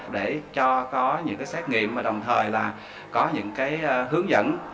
để cho có những xét nghiệm và đồng thời là có những hướng dẫn